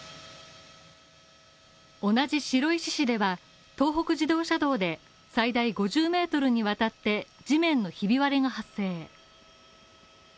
同じ白石市では東北自動車道で最大５０ｍにわたって、地面のひび割れが発生。